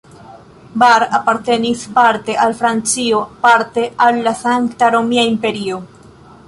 Bar apartenis parte al Francio, parte al la Sankta Romia Imperio.